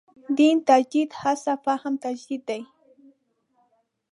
دین تجدید هڅه فهم تجدید دی.